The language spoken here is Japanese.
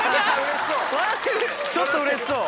ちょっとうれしそう。